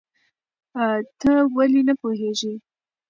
ته ولې نه پوهېږې؟